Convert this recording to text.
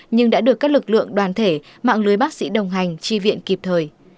nhưng đã được các lực lượng đoàn thể mạng lưới bác sĩ đồng hành tri viện kịp thời